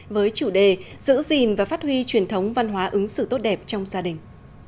với chủ đề giữ gìn và phát huy truyền thống văn hóa ứng xử tốt đẹp trong gia đình